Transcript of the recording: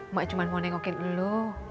mbak cuma mau nengokin dulu